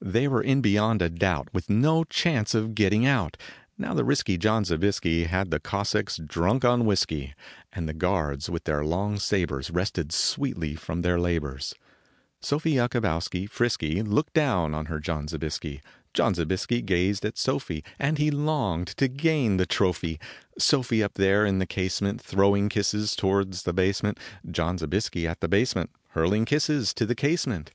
They were in beyond a doubt, With no chance of getting out, Now the risky John Zobiesky Had the Cossacks drunk on whisky, And the guards with their long sabers, Rested sweetly from their labors. SOFIE JAKOBO WSKI 109 Sofie Jakobowski, frisky Looked down on her John Zobiesky ; John Zobiesky gazed at Sofie And he longed to gain the trophy. Sofie, up there in the casement Throwing kisses towards the basement John Zobiesky at the basement Hurling kisses to the casement.